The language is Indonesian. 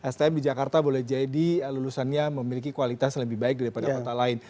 stm di jakarta boleh jadi lulusannya memiliki kualitas yang lebih baik daripada kota lain